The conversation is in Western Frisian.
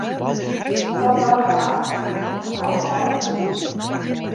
Dat barde woansdei op 'e kop ôf in jier lyn.